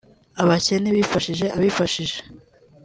Abakene bifashije (Abifashije